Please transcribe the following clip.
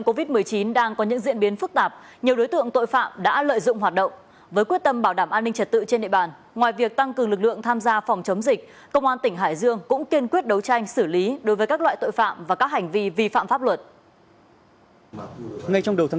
covid một mươi chín đang có những diễn biến phức tạp nhiều đối tượng tội phạm đã lợi dụng hoạt động với quyết tâm bảo đảm an ninh trật tự trên địa bàn ngoài việc tăng cường lực lượng tham gia phòng chống dịch công an tỉnh hải dương cũng kiên quyết đấu tranh xử lý đối với các loại tội phạm và các hành vi vi phạm pháp luật